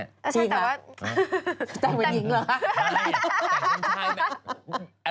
ใช่แต่ว่า